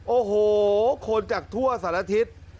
โอ้โหคนจากทั่วสันอาทิตย์